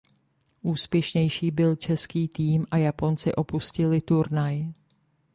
Úspěšnější byl český tým a Japonci opustili turnaj.